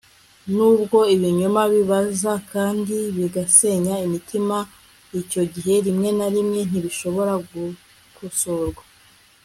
nubwo ibinyoma bibabaza kandi bigasenya imitima icyo gihe rimwe na rimwe ntibishobora gukosorwa